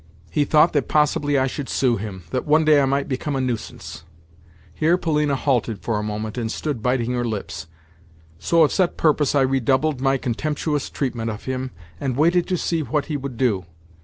He thought that possibly I should sue him—that one day I might become a nuisance." Here Polina halted for a moment, and stood biting her lips. "So of set purpose I redoubled my contemptuous treatment of him, and waited to see what he would do.